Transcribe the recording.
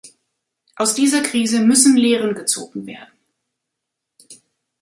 Aus dieser Krise müssen Lehren gezogen werden.